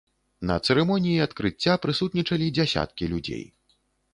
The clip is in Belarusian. На цырымоніі адкрыцця прысутнічалі дзясяткі людзей.